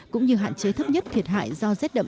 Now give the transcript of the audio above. cũng như hạn chế thấp nhất thiệt hại do rét đậm rét hại gây ra